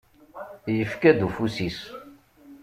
Yefka-d ufus-is.